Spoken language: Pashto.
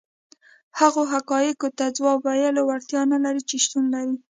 هغو حقایقو ته ځواب ویلو وړتیا نه لري چې شتون لري.